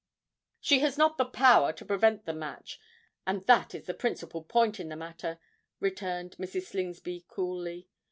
"She has not the power to prevent the match; and that is the principal point in the matter," returned Mrs. Slingsby coolly.